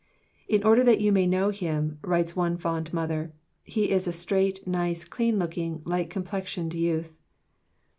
"In order that you may know him," writes one fond mother, "he is a straight, nice, clean looking, light complexioned youth."